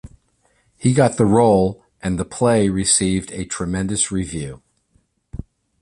He got the role and the play received a tremendous review.